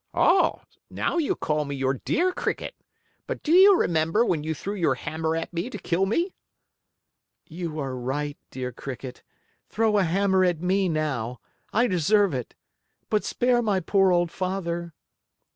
"Oh, now you call me your dear Cricket, but do you remember when you threw your hammer at me to kill me?" "You are right, dear Cricket. Throw a hammer at me now. I deserve it! But spare my poor old father."